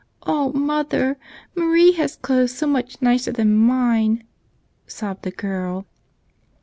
"Oh, mother, Marie has clothes so much nicer than mine," sobbed the girl.